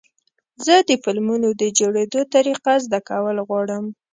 زه د فلمونو د جوړېدو طریقه زده کول غواړم.